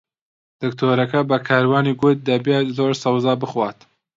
دکتۆرەکە بە کاروانی گوت دەبێت زۆر سەوزە بخوات.